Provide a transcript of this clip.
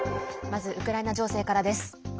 まず、ウクライナ情勢からです。